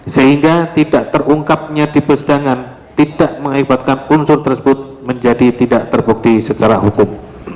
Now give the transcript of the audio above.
sehingga tidak terungkapnya di persidangan tidak mengakibatkan unsur tersebut menjadi tidak terbukti secara hukum